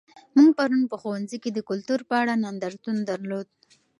موږ پرون په ښوونځي کې د کلتور په اړه نندارتون درلود.